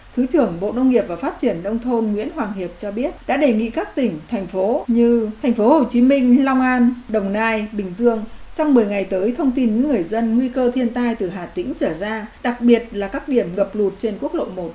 thứ trưởng bộ nông nghiệp và phát triển đông thôn nguyễn hoàng hiệp cho biết đã đề nghị các tỉnh thành phố như thành phố hồ chí minh long an đồng nai bình dương trong một mươi ngày tới thông tin người dân nguy cơ thiên tai từ hà tĩnh trở ra đặc biệt là các điểm ngập lụt trên quốc lộ một